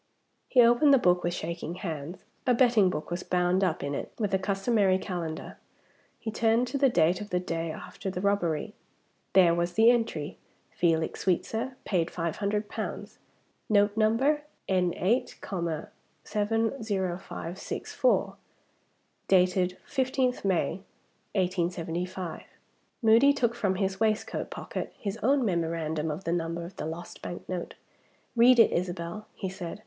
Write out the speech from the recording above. He opened the book with shaking hands. A betting book was bound up in it, with the customary calendar. He turned to the date of the day after the robbery. There was the entry: "Felix Sweetsir. Paid 500 pounds. Note numbered, N 8, 70564; dated 15th May, 1875." Moody took from his waistcoat pocket his own memorandum of the number of the lost bank note. "Read it Isabel," he said.